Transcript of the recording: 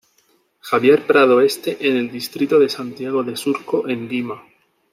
Javier Prado Este en el Distrito de Santiago de Surco en Lima.